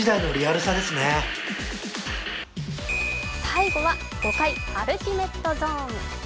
最後は５階、アルティメットゾーン。